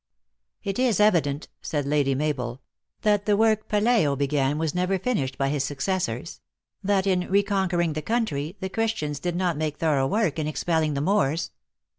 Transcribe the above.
"It is evident," said Lady Mabel, "that the work Pelayo began was never finished by his suc cessors ; that in reconquering the country the Chris tians did not make thorough work in expelling the Moors."